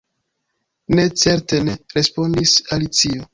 "Ne, certe ne!" respondis Alicio.